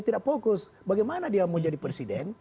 tidak fokus bagaimana dia mau jadi presiden